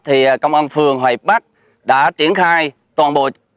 thì công an phường hòa hiệp bắc đã triển khai toàn bộ